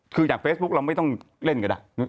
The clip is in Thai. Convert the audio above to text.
คืออย่างเฟซบุ๊คเราไม่ต้องเล่นก็ได้